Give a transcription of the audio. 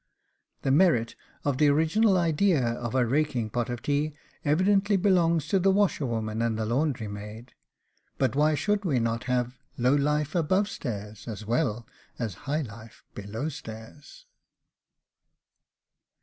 The merit of the original idea of a raking pot of tea evidently belongs to the washerwoman and the laundry maid. But why should not we have LOW LIFE ABOVE STAIRS as well as HIGH LIFE BELOW STAIRS?